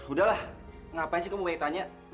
udah lah ngapain sih kamu banyak tanya